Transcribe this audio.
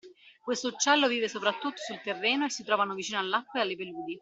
Questo uccello vive soprattutto sul terreno e si trovano vicino all’acqua ed alle paludi.